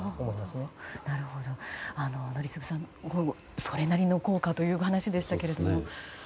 宜嗣さん、それなりの効果というお話でしたけども。